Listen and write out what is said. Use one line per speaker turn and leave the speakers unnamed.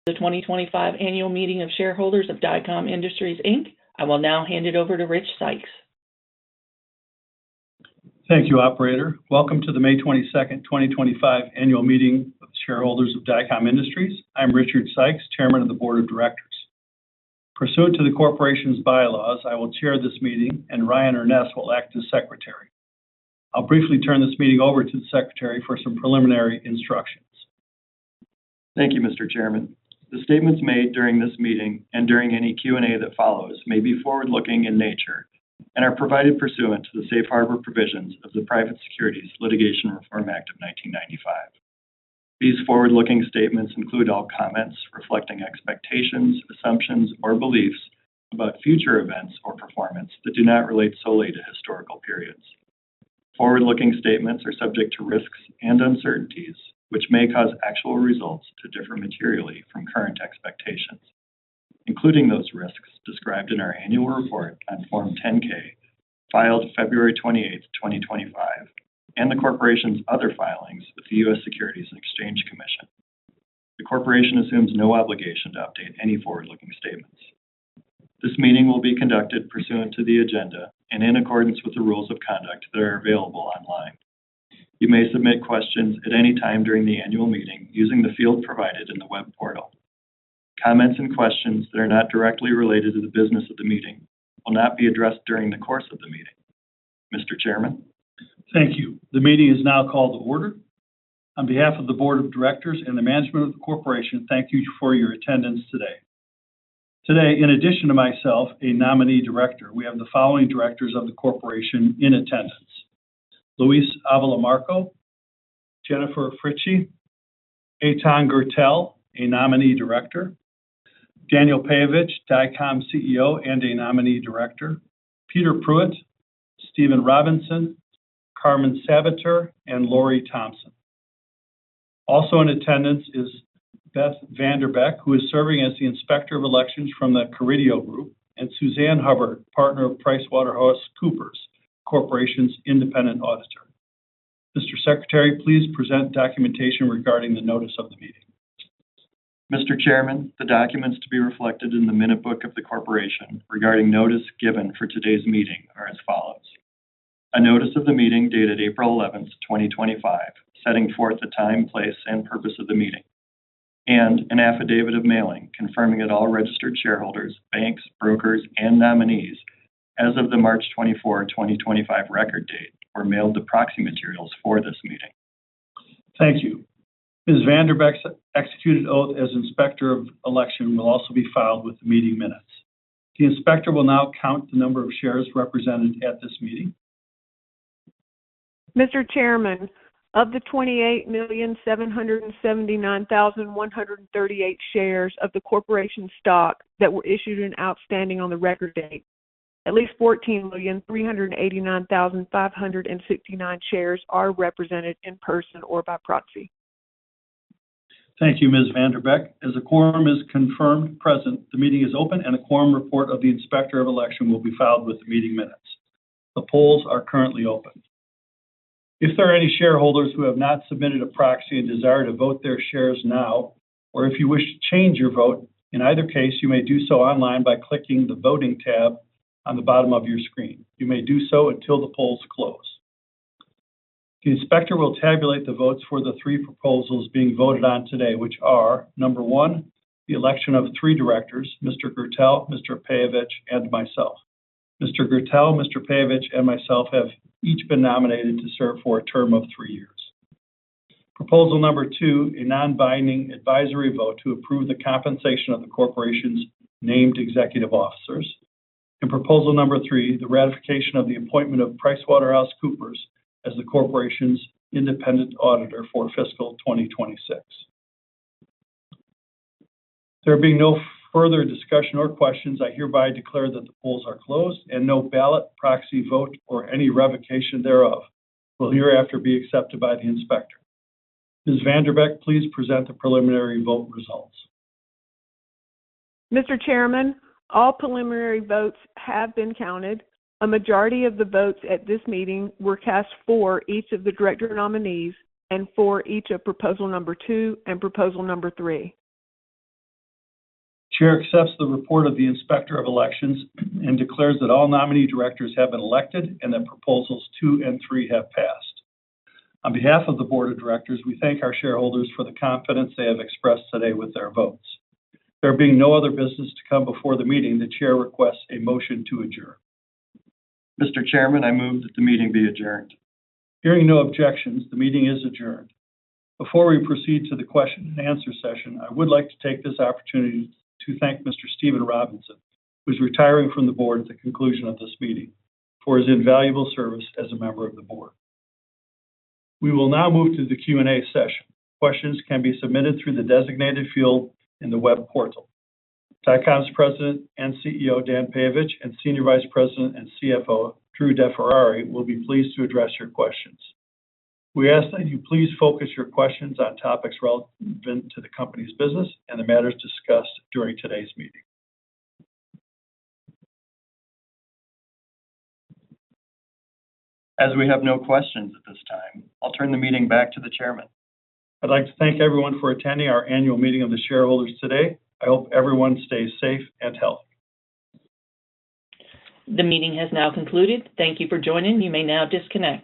The 2025 Annual Meeting of Shareholders of Dycom Industries. I will now hand it over to Rich Sykes.
Thank you, Operator. Welcome to the May 22, 2025 Annual Meeting of Shareholders of Dycom Industries. I'm Richard Sykes, Chairman of the Board of Directors. Pursuant to the Corporation's bylaws, I will chair this meeting, and Ryan Urness will act as Secretary. I'll briefly turn this meeting over to the Secretary for some preliminary instructions.
Thank you, Mr. Chairman. The statements made during this meeting and during any Q&A that follows may be forward-looking in nature and are provided pursuant to the safe harbor provisions of the Private Securities Litigation Reform Act of 1995. These forward-looking statements include all comments reflecting expectations, assumptions, or beliefs about future events or performance that do not relate solely to historical periods. Forward-looking statements are subject to risks and uncertainties, which may cause actual results to differ materially from current expectations, including those risks described in our Annual Report on Form 10-K filed February 28, 2025, and the Corporation's other filings with the U.S. Securities and Exchange Commission. The Corporation assumes no obligation to update any forward-looking statements. This meeting will be conducted pursuant to the agenda and in accordance with the rules of conduct that are available online. You may submit questions at any time during the Annual Meeting using the field provided in the web portal. Comments and questions that are not directly related to the business of the meeting will not be addressed during the course of the meeting. Mr. Chairman.
Thank you. The meeting is now called to order. On behalf of the Board of Directors and the management of the Corporation, thank you for your attendance today. Today, in addition to myself, a nominee director, we have the following directors of the Corporation in attendance: Luis Avila-Marco, Jennifer Fritzsche, Eitan Guritel, a nominee director, Daniel Peyovich, Dycom CEO and a nominee director, Peter Pruitt, Stephen Robinson, Carmen Sabater, and Laurie Thomsen. Also in attendance is Beth VanDerbeck, who is serving as the Inspector of Elections from the Carideo Group, and Suzanne Hubbard, partner of PricewaterhouseCoopers, Corporation's independent auditor. Mr. Secretary, please present documentation regarding the notice of the meeting.
Mr. Chairman, the documents to be reflected in the Minute Book of the Corporation regarding notice given for today's meeting are as follows: a notice of the meeting dated April 11, 2025, setting forth the time, place, and purpose of the meeting, and an affidavit of mailing confirming that all registered shareholders, banks, brokers, and nominees, as of the March 24, 2025, record date, were mailed the proxy materials for this meeting.
Thank you. Ms. VanDerbeck's executed oath as Inspector of Election will also be filed with the meeting minutes. The Inspector will now count the number of shares represented at this meeting.
Mr. Chairman, of the 28,779,138 shares of the Corporation stock that were issued and outstanding on the record date, at least 14,389,569 shares are represented in person or by proxy.
Thank you, Ms. VanDerbeck. As the quorum is confirmed present, the meeting is open, and a Quorum Report of the Inspector of Election will be filed with the meeting minutes. The polls are currently open. If there are any shareholders who have not submitted a proxy and desire to vote their shares now, or if you wish to change your vote, in either case, you may do so online by clicking the Voting tab on the bottom of your screen. You may do so until the polls close. The Inspector will tabulate the votes for the three proposals being voted on today, which are: Number one, the election of three directors: Mr. Guritel, Mr. Peyovich, and myself. Mr. Guritel, Mr. Peyovich, and myself have each been nominated to serve for a term of three years. Proposal Number two, a non-binding advisory vote to approve the compensation of the Corporation's named executive officers. Proposal Number three, the ratification of the appointment of PricewaterhouseCoopers as the Corporation's independent auditor for fiscal 2026. There being no further discussion or questions, I hereby declare that the polls are closed and no ballot, proxy vote, or any revocation thereof will hereafter be accepted by the Inspector. Ms. VanDerbeck, please present the preliminary vote results.
Mr. Chairman, all preliminary votes have been counted. A majority of the votes at this meeting were cast for each of the director nominees and for each of Proposal Number Two and Proposal Number Three.
Chair accepts the report of the Inspector of Elections and declares that all nominee directors have been elected and that Proposals Two and Three have passed. On behalf of the Board of Directors, we thank our shareholders for the confidence they have expressed today with their votes. There being no other business to come before the meeting, the Chair requests a motion to adjourn.
Mr. Chairman, I move that the meeting be adjourned.
Hearing no objections, the meeting is adjourned. Before we proceed to the question-and-answer session, I would like to take this opportunity to thank Mr. Stephen Robinson, who is retiring from the board at the conclusion of this meeting, for his invaluable service as a member of the board. We will now move to the Q&A session. Questions can be submitted through the designated field in the web portal. Dycom's President and CEO, Daniel Peyovich, and Senior Vice President and CFO, Drew DeFerrari, will be pleased to address your questions. We ask that you please focus your questions on topics relevant to the company's business and the matters discussed during today's meeting. As we have no questions at this time, I'll turn the meeting back to the Chairman.
I'd like to thank everyone for attending our Annual Meeting of the Shareholders today. I hope everyone stays safe and healthy.
The meeting has now concluded. Thank you for joining. You may now disconnect.